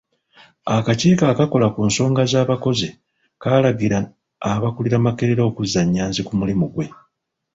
Akakiiko akakola ku nsonga z'abakozi kaalagira abakulira Makerere okuzza Nyanzi ku mirimu gye.